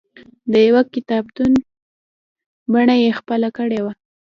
د یوه کتابتون بڼه یې خپله کړې وه.